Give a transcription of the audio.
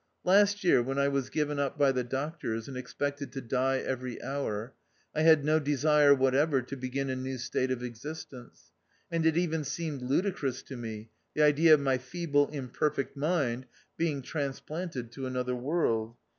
Last year, when I was given up by the doctors, and expected to die every hour, I had no desire whatever to begin a new state of existence ; and it even seemed ludicrous to me, the }dea of my feeble imperfect mind being transplanted to another world.